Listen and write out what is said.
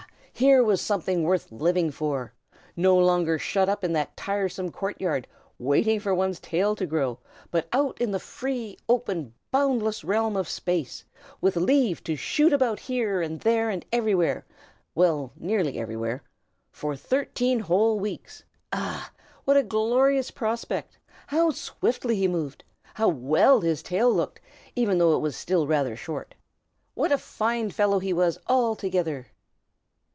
here was something worth living for. No longer shut up in that tiresome court yard, waiting for one's tail to grow, but out in the free, open, boundless realm of space, with leave to shoot about here and there and everywhere well, nearly everywhere for thirteen whole weeks! Ah, what a glorious prospect! How swiftly he moved! How well his tail looked, even though it was still rather short! What a fine fellow he was, altogether!